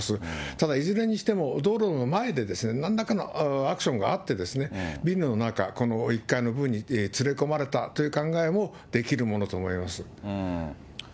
ただいずれにしても道路の前でなんらかのアクションがあってですね、ビルの中、この１階の部分に連れ込まれたという考えもできるものと思います。